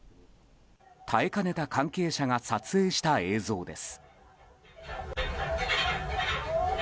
耐えかねた関係者が撮影した映像です。